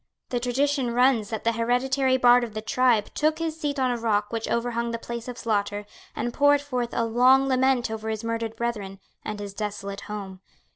The tradition runs that the hereditary bard of the tribe took his seat on a rock which overhung the place of slaughter, and poured forth a long lament over his murdered brethren, and his desolate home.